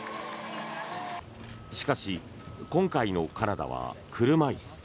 しかし、今回のカナダは車椅子。